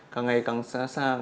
càng ngày càng xa xa